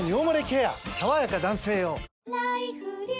さわやか男性用」